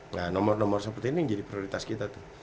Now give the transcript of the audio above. nah nomor nomor seperti ini yang jadi prioritas kita tuh